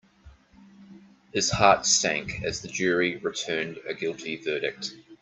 His heart sank as the jury returned a guilty verdict.